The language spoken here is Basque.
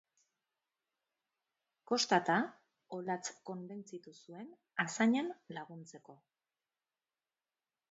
Kostata, Olatz konbentzitu zuen azañan laguntzeko.